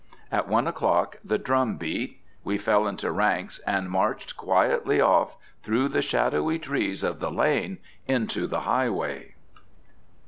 At one o'clock the drum beat; we fell into ranks, and marched quietly off through the shadowy trees of the lane, into the highway.